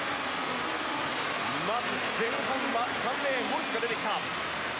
まず前半は３レーンが出てきた。